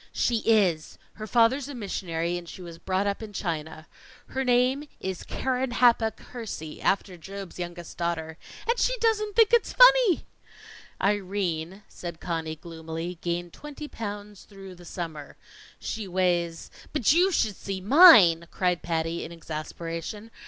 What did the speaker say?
"She is! Her father's a missionary, and she was brought up in China. Her name is Keren happuch Hersey, after Job's youngest daughter. And she doesn't think it's funny!" "Irene," said Conny gloomily, "gained twenty pounds through the summer. She weighs " "But you should see mine!" cried Patty, in exasperation.